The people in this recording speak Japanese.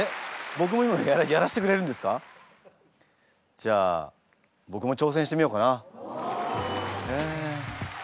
じゃあ僕も挑戦してみようかな。